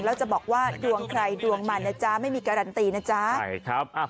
แล้วจะบอกว่าดวงใครดวงมันไม่มีการันตี